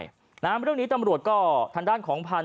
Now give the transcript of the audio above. เป็นเรื่องนี้ตำรวจก็ธรรมดานของพันธุ์